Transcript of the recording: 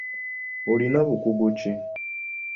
Olina bukugu ki?